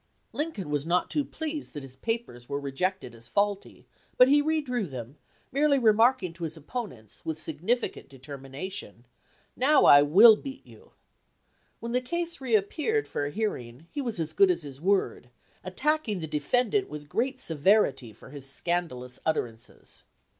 Lincoln was not too pleased that his papers were rejected as faulty, but he redrew them, merely remarking to his op 243 LINCOLN THE LAWYER ponents, with significant determination, "Now I will beat you!" When the case reappeared for a hearing, he was as good as his word, attacking the defendant with great severity for his scanda lous utterances.